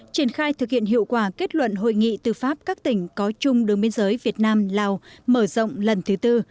triển khai thực hiện hiệu quả kết luận hội nghị tư pháp các tỉnh có chung đường biên giới việt nam lào mở rộng lần thứ tư